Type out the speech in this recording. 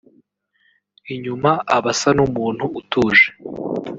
Inyuma aba asa n’umuntu utuje